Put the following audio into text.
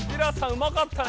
うまかったね